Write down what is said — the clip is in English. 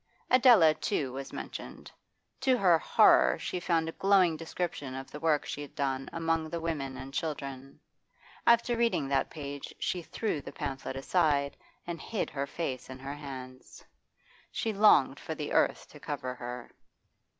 Adela, too, was mentioned; to her horror she found a glowing description of the work she had done among the women and children. After reading that page she threw the pamphlet aside and hid her face in her hands. She longed for the earth to cover her.